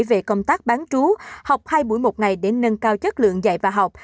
về công tác bán trú học hai buổi một ngày để nâng cao chất lượng dạy và học